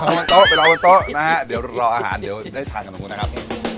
ไปรอบนโต๊ะนะฮะเดี๋ยวรออาหารเดี๋ยวได้ทานกันบนโต๊ะนะครับ